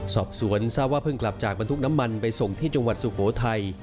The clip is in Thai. สอบสวนทราบว่าเพิ่งกลับจากบรรทุกน้ำมันไปส่งที่จังหวัดสุโขทัย